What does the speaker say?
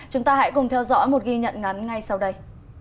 chúng ta hãy cùng theo dõi một ghi nhận ngắn ngay sau đây